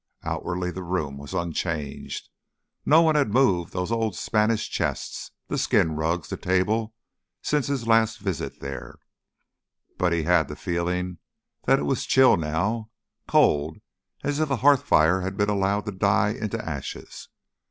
Outwardly the room was unchanged. No one had moved those old Spanish chests, the skin rugs, the table, since his last visit there. But he had the feeling that it was chill now, cold, as if a hearth fire had been allowed to die into ashes.